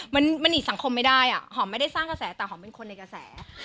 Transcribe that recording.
มันมันอีกสังคมไม่ได้อ่ะหอมไม่ได้สร้างกระแสแต่หอมเป็นคนในกระแส